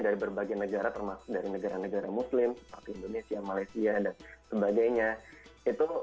dari berbagai negara termasuk dari negara negara muslim seperti indonesia malaysia dan sebagainya itu